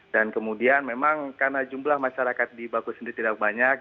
dan kemudian memang karena jumlah masyarakat di baku sendiri tidak banyak